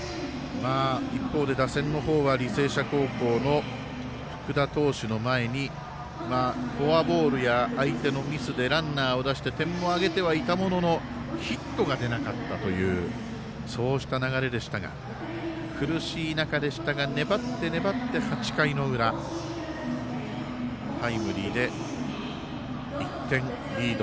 一方で、打線の方は履正社高校の福田投手の前にフォアボールや相手のミスでランナーを出して点も上げてはいたもののヒットが出なかったというそうした流れでしたが苦しい中でしたが、粘って粘って８回の裏タイムリーで１点リード。